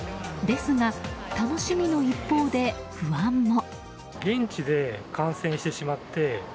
ですが、楽しみの一方で不安も。